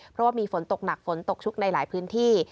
เพราะว่ามีฝนตกหนักฝนตกชุกในหลายพื้นที่